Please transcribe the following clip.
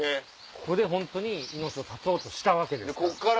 ここでホントに命を絶とうとしたわけですから。